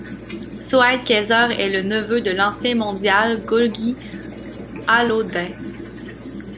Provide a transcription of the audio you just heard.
Sohail Qaiser est le neveu de l'ancien mondial Gogi Alauddin.